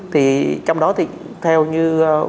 thì trong đó thì theo như